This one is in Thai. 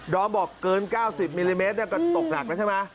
ดอมบอกเกิน๙๐มิลลิเมตรอยากจะถูกหนักไม่ใช่เปล่า